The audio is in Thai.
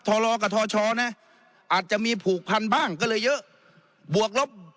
ทรกับทชนะอาจจะมีผูกพันบ้างก็เลยเยอะบวกลบ